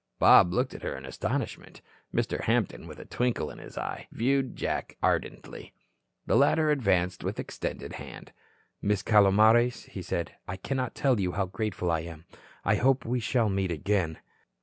Bob looked at her in astonishment. Mr. Hampton, with a twinkle in his eye, viewed Jack ardently. The latter advanced with extended hand. "Miss Calomares," he said, "I can't tell you how grateful I am. I hope we shall meet again."